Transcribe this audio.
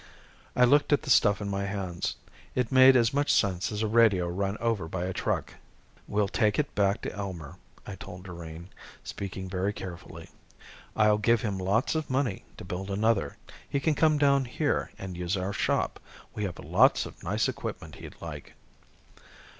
I looked at the stuff in my hands. It made as much sense as a radio run over by a truck. "We'll take it back to Elmer," I told Doreen, speaking very carefully. "I'll give him lots of money to build another. He can come down here and use our shop. We have lots of nice equipment he'd like."